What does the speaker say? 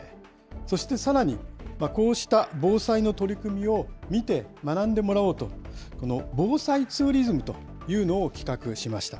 そして、さらに、こうした防災の取り組みを見て、学んでもらおうと、防災ツーリズムというのを企画しました。